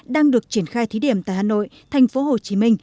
đang được triển khai thí điểm tại hà nội tp hcm